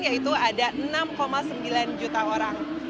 yaitu ada enam sembilan juta orang